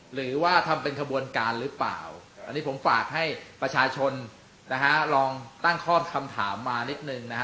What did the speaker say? หรือว่าทำเป็นขบวนการหรือเปล่าอันนี้ผมฝากให้ประชาชนนะฮะลองตั้งข้อคำถามมานิดนึงนะฮะ